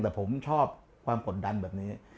แต่ผมชอบความกดดันแบบนี้